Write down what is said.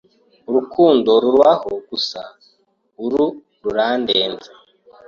Urukundo rubaho gusa uru rurandenze